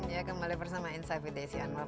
ya kembali bersama insight with desi anwar